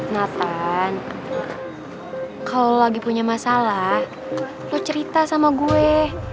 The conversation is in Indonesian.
nathan kalau lagi punya masalah lo cerita sama gue